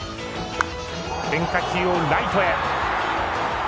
変化球をライトへ。